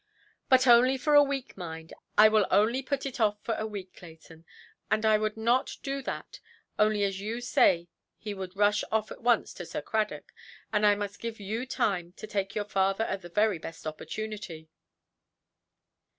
"But only for a week, mind; I will only put it off for a week, Clayton; and I would not do that, only as you say he would rush off at once to Sir Cradock; and I must give you time to take your father at the very best opportunity".